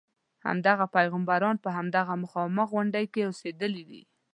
همدغه پیغمبران په دغه مخامخ غونډې کې اوسېدلي دي.